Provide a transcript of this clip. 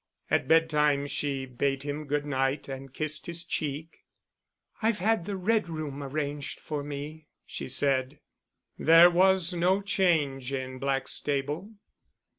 At bedtime she bade him good night, and kissed his cheek. "I've had the red room arranged for me," she said. There was no change in Blackstable.